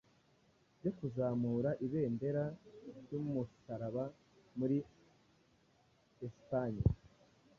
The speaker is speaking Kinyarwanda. byo kuzamura ibendera ry’umusaraba muri Esipanye.